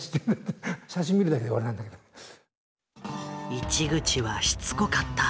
市口はしつこかった。